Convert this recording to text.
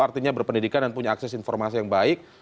artinya berpendidikan dan punya akses informasi yang baik